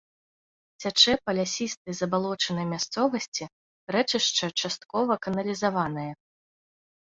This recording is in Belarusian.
Цячэ па лясістай забалочанай мясцовасці, рэчышча часткова каналізаванае.